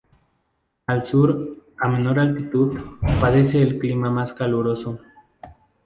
El sur, a menor altitud, padece el clima más caluroso.